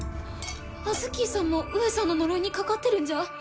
アズッキーさんも上さんの呪いにかかってるんじゃ？